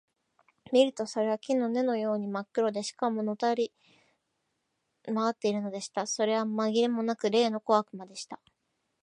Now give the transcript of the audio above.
見るとそれは木の根のようにまっ黒で、しかも、のたくり廻っているのでした。それはまぎれもなく、例の小悪魔でした。